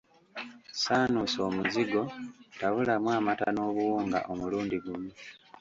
Saanuusa omuzigo, tabulamu amata n'obuwunga omulundi gumu.